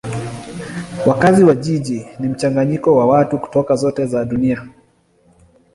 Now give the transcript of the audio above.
Wakazi wa jiji ni mchanganyiko wa watu kutoka zote za dunia.